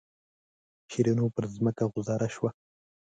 شیرینو پر ځمکه غوځاره شوه.